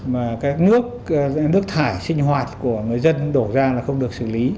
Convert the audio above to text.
mà các nước thải sinh hoạt của người dân đổ ra là không được xử lý